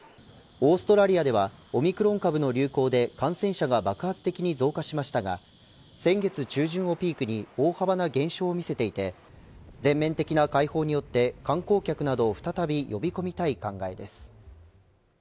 オースラリアではオミクロン株の流行で感染者が爆発的に増加しましたが先月中旬をピークに大幅な減少をみせていて全面的な開放によって観光客などを再び呼び込みたい考えです。